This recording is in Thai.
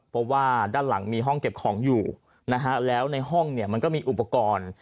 เพราะว่าด้านหลังมีห้องเก็บของอยู่นะฮะแล้วในห้องเนี่ยมันก็มีอุปกรณ์